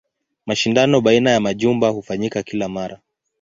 Mashindano baina ya majumba hufanyika kila mara.